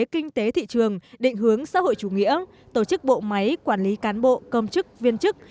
kinh tế thị trường định hướng xã hội chủ nghĩa tổ chức bộ máy quản lý cán bộ công chức viên chức